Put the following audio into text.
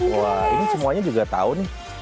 wah ini semuanya juga tahu nih